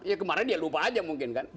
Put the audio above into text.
ya kemarin dia lupa aja mungkin kan